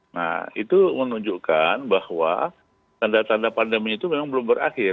nah itu menunjukkan bahwa tanda tanda pandemi itu memang belum berakhir